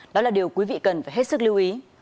đó là điều quý vị cần phải hết sức lưu ý